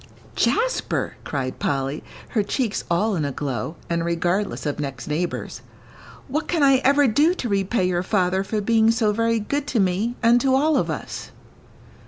"Jasper," cried Polly, her cheeks all in a glow, and regardless of next neighbours, "what can I ever do to repay your father for being so very good to me and to all of us?"